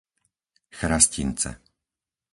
Chrastince